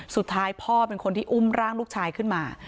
สุดท้ายพ่อเป็นคนที่อุ้มร่างลูกชายขึ้นมา